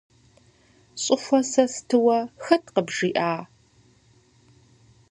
Щӏыхуэ сэ стыуэ хэт къыбжиӏа?